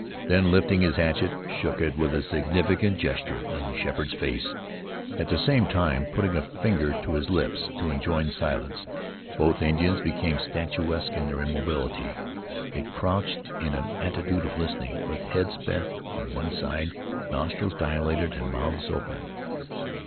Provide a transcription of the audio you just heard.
Then lifting his hatchet, shook it with a significant gesture in Sheppard's face, at the same time putting a finger on his lips to enjoin silence. Both Indians became statuesque in their immobility. They crouched in an attitude of listening, with heads bent on one side, nostrils dilated, and mouths open.